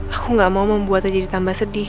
aku gak mau membuatnya jadi tambah sedih